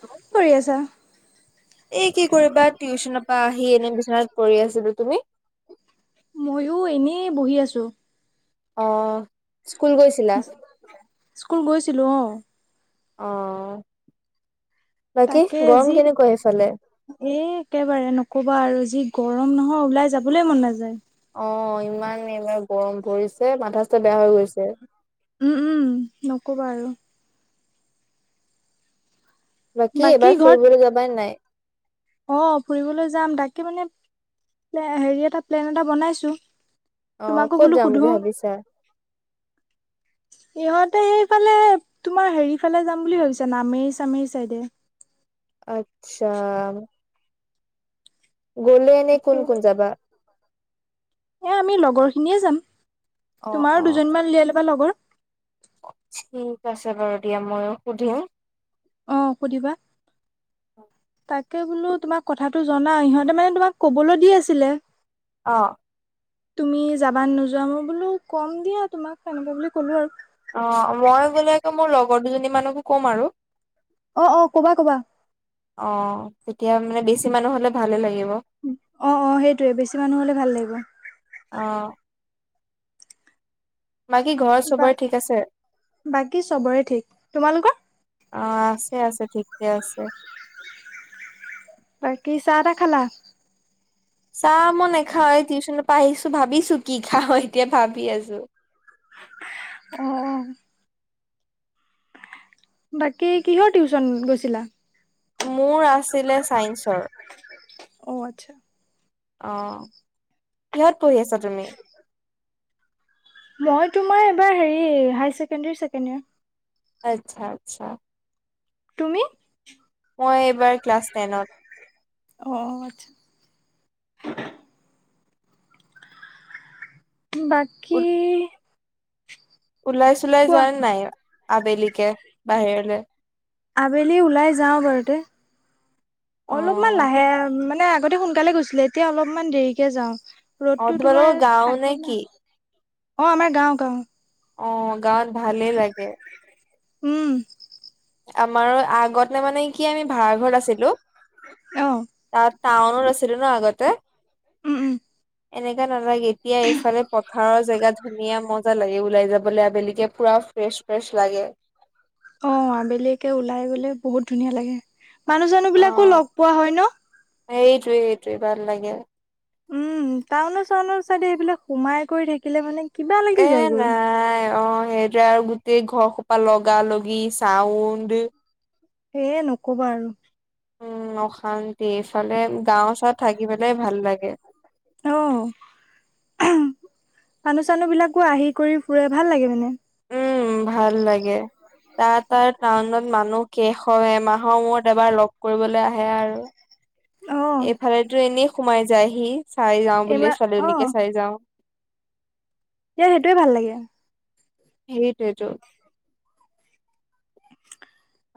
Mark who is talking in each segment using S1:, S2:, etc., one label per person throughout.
S1: কি কৰি আছা?
S2: এ কি কৰিবা টিউচনৰ পৰা আহি এনে বিচনাত পঢ়ি আছিলো তুমি
S1: মইো এনেই বহি আছো।
S2: অ', স্কুল গৈছিলা
S1: স্কুল গৈছিলো অ,
S2: অহ ',
S1: তাকে যি একেবাৰে নকবা আৰু যি গৰম নহয় ওলাই যাবলৈ মন নাযায়।
S2: অ, ইমান এইবাৰ গৰম পৰিছে মাথা চাথা বেয়া হৈ গৈছে।
S1: উম - উম নকবা আৰু।
S2: বাকী এবাৰ ফুৰিবলৈ যাবা নে নাই।
S1: অ, ফুৰিবলৈ যাম তাকে মানে হেৰি এটা প্লেন এটা বনাইছো।
S2: অ
S1: তোমাকো
S2: ক'ত
S1: বোলো
S2: যাম বুলি
S1: সোধো
S2: ভাবিছা
S1: ইহত ত, এইফালে তোমাৰ হেৰি ফালে যাম বুলি ভাবিছা নামেৰি চামেৰি চাইডে
S2: আচ্ছা। গ'লে এনে
S1: তাকে
S2: কোন - কোন যাবা?
S1: এ আমি লগৰ খিনিয়ে যাম
S2: অ
S1: তোমাৰো
S2: অ
S1: দুজনমান উলিয়াই লবা লগৰ।
S2: ঠিক আছে বাৰু দিয়া মইো সুধিম
S1: অ, সুধিবা তাক বোলো তোমাক কথাটো জনা ইহতে মানে তোমাক কবলৈ দি আছিলে।
S2: অ
S1: তুমি যাবানে নোযোৱা মই বোলো কম দিয়া তোমাক সনেকুৱা বুলি ক'লো আৰু।
S2: অ, মই বোলে আকৌ মোৰ লগৰ দুজনী মানকো কম আৰু।
S1: অ - অ কবা - কবা।
S2: অ, তেতিয়া মানে বেছি মানুহ হলে ভালে লাগিব।
S1: অ - অ সেইটোৱে বেছি মানুহ হলে ভাল লাগিব।
S2: অ বাকী ঘৰত
S1: বা
S2: সবৰে ঠিক আছে?
S1: বাকী চবৰে ঠিক তোমালোকৰ
S2: অ, আছে - আছে ঠিকে আছে।
S1: বাকী চাহ টা খালা?
S2: চা মই নাখাও টিউশচনৰ পৰা আহিছো ভাবিছো কি খাও এতিয়া ভাবি আছো।
S1: অ', বাকী কিহৰ টিউচন গৈছিলা?
S2: মোৰ আছিলে ছাইন্সৰ।
S1: অ, আচ্ছা।
S2: আহ, কিহত পঢ়ি আছা তুমি?
S1: মই তোমাৰ এইবাৰ হেৰি হাইছেকেণ্ডাৰী ছেকেণ্ড যাৰ
S2: আচ্ছা - আচ্ছা।
S1: তুমি?
S2: মই এইবাৰ ক্লাছ টেনত।
S1: অ, আচ্ছা। বাকী
S2: ওলাই চোলাই যোৱা
S1: কোৱা
S2: নাই আবেলিকে বাহিৰলৈ?
S1: আবেলি ওলাই যাওঁ বাৰু দে। অলপমান
S2: অ'
S1: লাহে মানে আগতে সোনকালে গৈছিলো এতিয়া অলপমান দেৰিকে যাওঁ।
S2: অ'
S1: ৰ'দতো
S2: তোমালোকৰ
S1: তোমাৰ
S2: গাঁও নে
S1: থাকে
S2: কি?
S1: ন? অ আমাৰ গাও গাও।
S2: অ গাঁৱত ভালেই লাগে।
S1: উম,
S2: আমাৰ আগত নে মানে কি আমি ভাড়া ঘৰত আছিলো।
S1: অ,
S2: তাত টাউনত আছিলোঁ ন আগতে
S1: উম উম,
S2: এনেকা নালাগে এতিয়া এইফালে পথাৰৰ জেগাত ধুনীয়া মজা লাগে ওলাই যাবলে আবেলিকে পুৰা ফ্ৰেছ ফ্ৰেছ লাগে।
S1: অ আবেলিকে ওলাই গলে বহুত ধুনীয়া লাগে মানুহ চানু বিলাকো লগ পোৱা হয় ন?
S2: এইটোৱে এইটোৱে ভাল লাগে।
S1: উম টাউনৰ চাউন চাইডে এইবিলাক সোমাই কৰি থাকিলে মানে কিবা লাগি
S2: এ
S1: যায়গৈ।
S2: নাই অ সেইটোৱে আৰু গোটেই ঘৰ সোপা লগা লগি, চাউণ্ড
S1: সেয়ে নকবা আৰু।
S2: উম অশান্তি এইফালে গাও চাওঁত থাকি পেলাই ভাল লাগে।
S1: মানু চানু বিলাকো আহি কৰি ফুৰে ভাল লাগে মানে।
S2: উম ভাল লাগে, তাৰ তাৰ টাউনত মানুহ কেশ এমাহৰ মূৰত এবাৰ লগ কৰিবলে আহে আৰু।
S1: অ
S2: এইফালেতো এনেই সোমাই যায়হি চাই যাওঁ বুলি
S1: এইবাৰ
S2: ছোৱালীজনীকে চাই যাওঁ।
S1: এতিয়া সেইটোৱে ভাল লাগে।
S2: সেইটোৱে টো।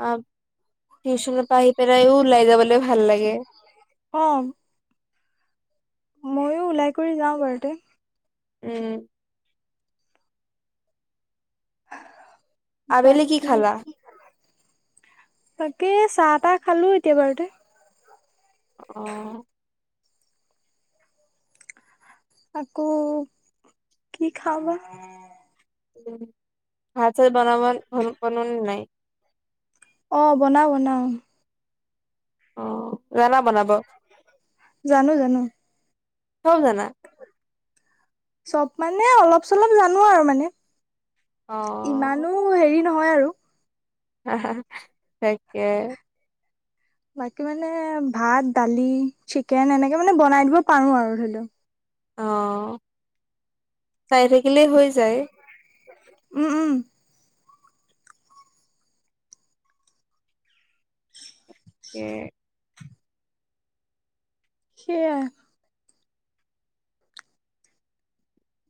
S2: অ টিউচন পৰা আহি পেলাও ওলাই যাবলে ভাল লাগে।
S1: অ, ময়ো ওলাই কৰি যাওঁ বাৰু তে
S2: উম আবেলি কি খালা।
S1: তাকে চাহ তাহ খালো এতিয়া ঘৰতে
S2: অহ
S1: আকৌ কি খাওবা।
S2: উম ভাত চাত বনাব বনালে নাই?
S1: অ বনা'ও বনা'ও।
S2: অ জানা বনাব।
S1: জানো জানো।
S2: চ'ব জানা।
S1: চ'ব মানে অলপ চলপ জানো আৰু মানে।
S2: অ
S1: ইমানো হেৰি নহয় আৰু
S2: তাকে
S1: বাকী মানে ভাত দালি চিকেন এনেকে মানে বনাই দিব পাৰো আৰু ধৰি লও।
S2: অ' চাই থাকিলেই হৈ যায়।
S1: উম, উম
S2: হে
S1: সেয়া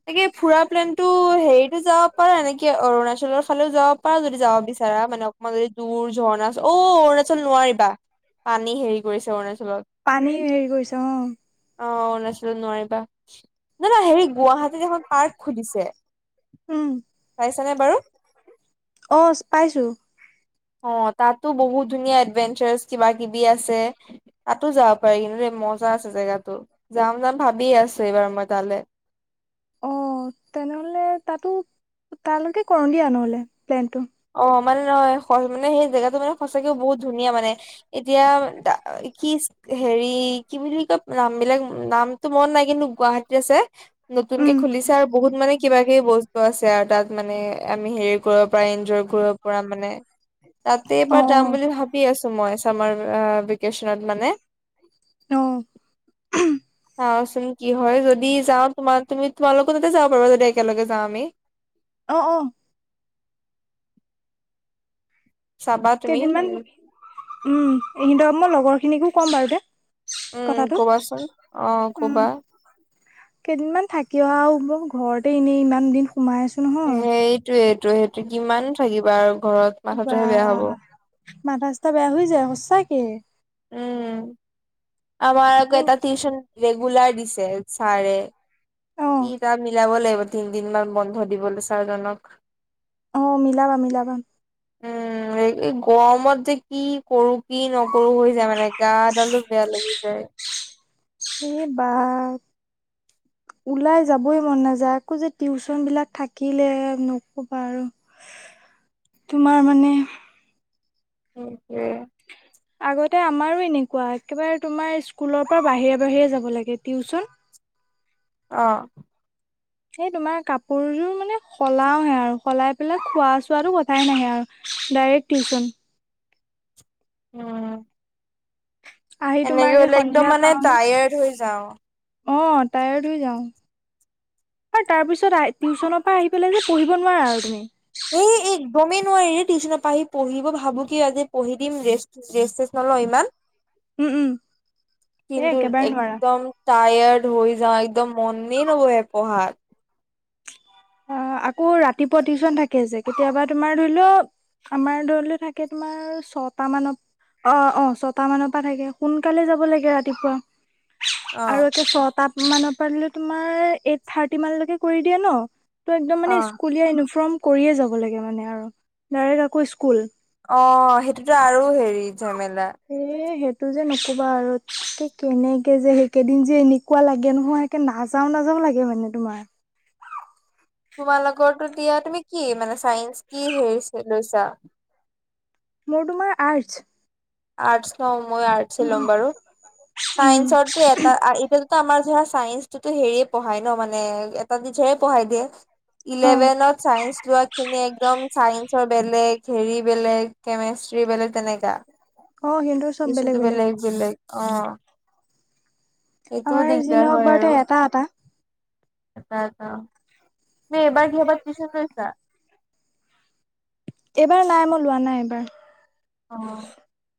S2: তাকে ফুৰা প্লেন টো হেৰিত যাব পাৰা এনেকে অৰুণাচলৰ ফালেও যাব পাৰা। যদি যাব বিচাৰা মানে অকমান যদি দূৰ ঝৰ্ণা অ' অৰুণাচল নোৱাৰিবা পানী হেৰি কৰিছে অৰুণাচল
S1: পানী হেৰি কৰিছে অ
S2: অ অৰুণাচলত নোৱাৰিবা না না হেৰিত এখন পাৰ্ক খুলিছে
S1: উম
S2: চাইছা নে বাৰু?
S1: অ', পাইছো।
S2: অ', তাতো বহুত ধুনীয়া এডভেঞ্চাৰ্চ কিবা কিবি আছে, তাতো যাব পাৰি কিন্তু দেই। মজা আছে জেগাটো যাম যাম ভাবিয আছে এইবাৰ মই তালে।
S1: অ', তেনেহ'লে তাতো তালৈকো কৰো দিয়া নহ'লে প্লেনটো।
S2: অ' মানে নহয় মানে সেই জেগাতটো মানে সঁচাকেও বহুত ধুনীয়া মানে এতিয়া কি হেৰি কি বুলি কয় নাম বিলাক নামটো মন নাই কিন্তু গুৱাহাটীত আছে। নতুনকে
S1: উম
S2: খুলিছে আৰু বহুত মানে কিবা কিবি বস্তু আছে আৰু তাত মানে আমি হেৰি কৰিব পাৰিম। [unintelligible] কৰিব পৰা মানে তাতে
S1: অ
S2: এবাৰ যাম বুলি ভাবি আছো মই চামাৰ আ ভেকেচনত মানে
S1: অ অ
S2: চাওঁ কি হয় যদি যাওঁ তোমা তোমি তোমালোকৰ লগতে যাব পাৰিবা যদি একেলগে যাওঁ আমি।
S1: অ 'অ'
S2: চাবা তুমি
S1: কেইদিনমান
S2: উ
S1: উম, এ মই লগৰ খিনিকো ক'ম বাৰু দে
S2: উম,
S1: কথাটো
S2: কবাচোন অ',
S1: উম
S2: ক'বা।
S1: কেইদিনমান থাকি অ'হাওঁ হ'ব ঘৰতে এনেই ইমান দিন সোমাই আছো নহয়।
S2: ত' সেইটো কিমান থাকিবা আৰু ঘৰত
S1: বা
S2: মাথাতেহে বেয়া হব।
S1: মাথা চাথা বেয়া হৈ যায় সচাকে।
S2: উম, আমাৰ আকৌ এটা টিউচন ৰেগুলাৰ দিছে ছাৰে।
S1: অ
S2: কি তাৰ মিলাব লাগিব তিনদিন মান বন্ধ দিবলৈ ছাৰজনক।
S1: অ' মিলাবা মিলাবা।
S2: উম, গৰমত যে কি কৰো কি নকৰো হৈ যায় মানে গাদালু লাগি যায়।
S1: এ বাৰ ওলাই যাবই মন নাযায় আকৌ যে টিউচন বিলাক থাকিলে নক'বা আৰু। তোমাৰ মানে?
S2: উ, সেইটোৱে।
S1: আগতে আমাৰো এনেকুৱা, একেবাৰে তোমাৰ স্কুলৰ পৰা বাহিৰে, বাহিৰে যাব লাগে টিউচন।
S2: আহ।
S1: সেই তোমাৰ কাপোৰযোৰ মানে সলাওহে আৰু সলাই পেলাই খোৱা, চোৱাতটো কথাই নাহে আৰু। Direct tuition.
S2: উম,
S1: আহি
S2: এনেকে
S1: তোমাৰগে
S2: হ'লে একদম
S1: সন্ধিয়া
S2: মানে
S1: পাওঁহি।
S2: টায়াৰ্ড হৈ যাওঁ।
S1: অ', টায়াৰ্ড হৈ যাওঁ। আৰু তাৰ পিছত টিউশ্যনৰ পৰা আহি পেলাই যে পঢ়িব নোৱাৰা আৰু তুমি।
S2: এ, একদমেই নোৱাৰি টিউশ্যনৰ পা আহি পঢ়িব ভাবো কি আজি পঢ়ি দিম ৰে-ৰেষ্ট তুষ্ট লম ৰ, ইমান
S1: উম, উম এ
S2: কিন্তু
S1: একেবাৰে নোৱাৰা।
S2: একদম তায়াৰ্ড হৈ যাওঁ, একদম মনেই নবহে পঢ়াত।
S1: আ, আকৌ ৰাতিপুৱা টিউশন থাকে যে কেতিয়াবা তুমাৰ ধৰিলও আমাৰ ধৰিল থাকে তোমাৰ ছটা মানত অ', অ', ছটা মানৰ পৰা থাকে সোনকালে যাব লাগে ৰাতিপুৱা। আৰু
S2: অ',
S1: এটা ছয়টা মানৰ পৰা তোমাৰ এইট থাৰ্টি মান লৈকে কৰি দিয়া ন। ত, একদম মানে
S2: অ',
S1: স্কুলীয়া ইউনিফৰ্ম কৰিয়ে যাব লাগে মানে আৰু ডাইৰেক্ট আকৌ স্কুল।
S2: অ' সেইটোতো আৰু হেৰি ঝেমেলা।
S1: টো যে নকবা আৰু ত, কেনেকে যে সেইকেইদিন যে এনেকুৱা লাগে নহয় এ, নাযাও, নাযাও লাগে মানে তোমাৰ।
S2: তোমালকৰটো দিয়া তুমি কি মানে চাইন্ঞ্চ কি হেৰি লৈছা?
S1: মোৰ তোমাৰ আৰ্টছ।
S2: আৰ্টছ ন। মই আৰ্ট লম বাৰু।
S1: উম
S2: চাইন্সো এটা এতিয়া তো আমাৰ য চাইন্ঞ্চটোতো হেৰিয়ে পঢ়াই ন মানে এটা টিচ্ছেৰে পঢ়াই দিয়ে।
S1: অ
S2: ইলেভেনত চাইন্ঞ্চ লোৱা খিনি আকদম চ বেলেগ হেৰি বেলেগ কেমেষ্ট্ৰি বেলেগ তেনেকা।
S1: অ সিহঁতৰ চব
S2: এইছোনত বেলেগ- বেলেগ অ, সেইটো
S1: আমাৰ যি
S2: দিগদাৰ
S1: নহওক
S2: হয়
S1: বাৰুতে
S2: আৰু।
S1: এটা এটা
S2: এটা - এটা নে এবাৰ কিবাহত টিউছন লৈছা।
S1: এইবাৰ নাই, মই লোৱা নাই এইবাৰ।
S2: অ',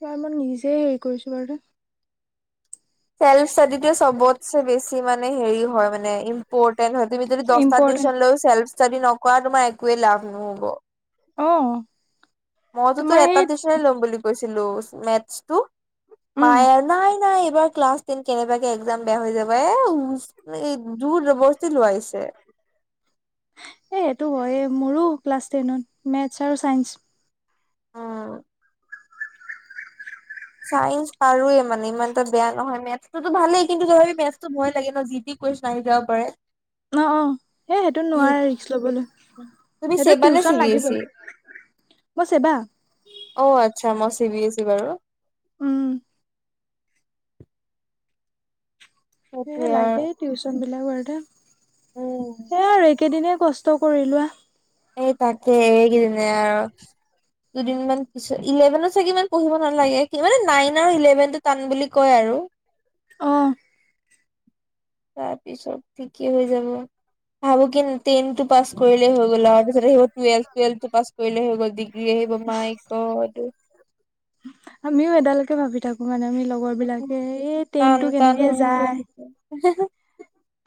S1: তই, মই নিজে হেৰি কৰিছো বাৰু।
S2: চেলফ স্তাদীটোয়ে চবতে বেছি মানে হেৰি হয় মানে ইম্পৰ্টেন হয় তুমি যদি দহটা
S1: ইম্পৰ্টেণ্ট
S2: ত লৈ ছেলফ ষ্টাডি নকৰা তোমাৰ একোৱে লাভ নহ'ব।
S1: অহ ',
S2: মইতোতো এটা টিউচন ল'ম বুলি কৈছিলো, মেথছটো।
S1: উম
S2: মায় নাই-নাই। এইবাৰ ক্লাছ টেন কেনেবাকে একজাম বেয়া হৈ যাব। এই, যোৰ যবৰজস্তি লোৱা হৈছে।
S1: এ, সটো হয়। মোৰো ক্লাছ তেনট মাটচ আৰু চাইন্ঞ্চ।
S2: অ', চাইন্ঞ্চ পাৰোয়ে মানে ইমান এটা বেয়া নহয়। মে তো ভালেই কিন্তু তথাপি মাটছ ভয় লাগে ন, যি, টি কুৱেশন আহি যাব পাৰে।
S1: অ', - অ', সেই সেইটো নোৱাৰে ৰিক্স ল'বলৈ।
S2: তুমি
S1: সেইটো
S2: চেবা নে চি
S1: টিউচন
S2: বি এছ
S1: লাগিব,
S2: ই
S1: মই ছেবা।
S2: অ, আচ্ছা, মই চি, বি, এচ, চি বাৰু।
S1: উম, সে
S2: সেইটোৱে আৰু
S1: লাগেই, টিউচন বিলাকৰ
S2: উম
S1: সেয় আৰু। এইকেদিনেই কষ্ট কৰি লোৱা।
S2: এই তাকেই, এই কেইদিনেই আৰু। দুদিনমান পিছত, ইলেভেনত চাগে ইমান পঢ়িব নালাগে, মানে নাইন আৰু ইলেভেনটো টান বুলি কয় আৰু।
S1: অহ।
S2: তাৰপিছত ঠিকেই হৈ যাব, ভাবো কিন টেনটো পাছ কৰিলে হৈ গ'ল আৰু, তাৰ পিছত আহিব টুৱেলভ, টুৱেলভটো পাছ কৰিলে হৈ গ'ল, ডিগ্ৰী আহিব মাইক অ এইটো।
S1: আমিও এডালৈকে ভাবি থাকো, মানে আমি লগৰ বিলাকে এই
S2: টান
S1: ট্ৰেইনটো
S2: টান
S1: কেনেকে
S2: হৈ
S1: যায়।
S2: গৈছে।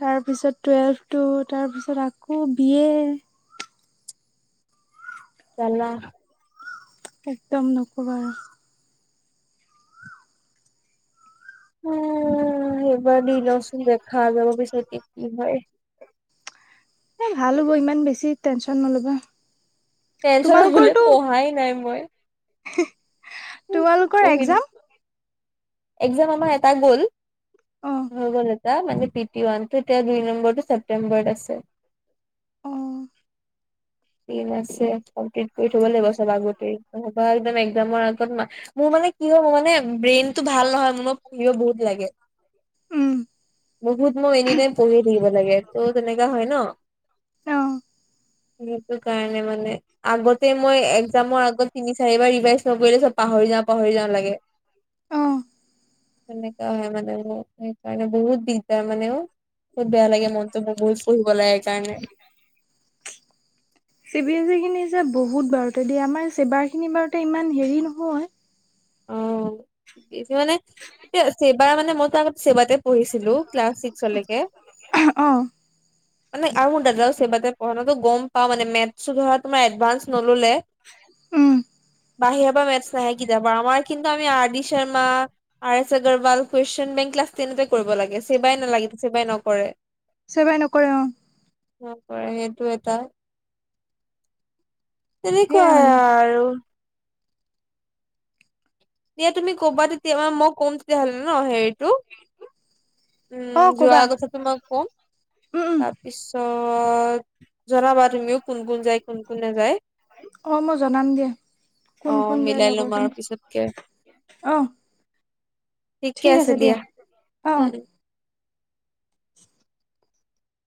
S1: তাৰপিছত টুৱেলভ টো তাৰপিছত আকৌ বি এ
S2: জালা
S1: একদম নকবা আৰু।
S2: উম সেইবাৰ দি লওচোন দেখা যাব পিছতকে কি হয়।
S1: এ ভাল হ'ব ইমান বেছি টেনচন নল'বা।
S2: টেনচন হবলে পঢ়াই নাই মই।
S1: হে হে তোমালোকৰ
S2: পঢ়িম
S1: এক্সাম?
S2: এক্সাম আমাৰ এটা গ'ল
S1: অ
S2: হৈ গ'ল এ অ, মানে পি টি ওৱান টো এতিয়া দুই নম্বৰটো ছেপ্টেম্বৰত আছে।
S1: অ,
S2: দিন আছে কম্লিট কৰি থব লাগিব চব আগতেই নহবা এক্সাম আগত মা মোৰ মানে কি হৈ মোৰ মানে ব্ৰেইনতটো ভাল নহয়, মই পঢ়িব বহুত লাগে।
S1: উম,
S2: বহুত মই এনিটাইম পহিয়ে থাকিব লাগে ত' তেনেকা হয় ন।
S1: অ',
S2: সেইটো কাৰণে মানে আগতে মই এক্সামৰ আগত তিনি চাৰিবাৰ ৰিভাইজ নকৰিলে চব পাহৰি যা পাহৰি যাওঁ লাগে
S1: অ',
S2: হেনেকাা হয় মানে মোৰ সেইকাৰণে বহুত দিগদাৰ মানেও বহুত বেয়া লাগে মনটো, বহুত লাগে কাৰণে।
S1: চি বিএছ ই খিনি যে বহুত বাৰতে দিয়ে, আমাৰ ছেবাৰ খিনি বাৰতে ইমান হেৰি নহয়।
S2: অ', এইটো মানে, ছেবাৰ মানে মইতো আগতে ছেবাতে পঢ়িছিলো ক্লাছ ছিক্সলৈকে।
S1: অ',
S2: মানে আউ সেবাতে পঢ়া ন, ত' গম পাওঁ মানে মেথছ ধৰা তোমাৰ এডভানস নল'লে,
S1: উম
S2: বাহিৰ পৰা মেতছ নাহে কেতিয়াও। আমাৰ কিন্তু আ R D Sharma, R S Agarwal, question bank class তেনতেই কৰিব লাগে। চেবাই নালাগে, চেবাই নকৰে।
S1: চেবাই নকৰে অ',
S2: নকৰে সেইটো এটা।
S1: সেয়া
S2: তেনেকুৱাই
S1: মানে
S2: আৰু। এয়া তুমি ক'বা, তেতিয়া মে মই ক'ম তেতিয়াহ'লে ন হেৰিটো। উম,
S1: অ',
S2: যোৱা
S1: কবা।
S2: কথা তোমাক কম
S1: উম, উম
S2: তাৰপিছত অ', জনাবা তুমিও, কোন কোন যায় কোন কোন নাযায়?
S1: অ', মই জনাম দিয়া।
S2: অ
S1: কোন কোন যায়
S2: মিলাই ল'ম আৰু
S1: লগৰখিনি?
S2: পিছতকে
S1: আহ।
S2: ঠিকেই আছে দিয়া,
S1: অ',
S2: উম
S1: অ'।
S2: উম।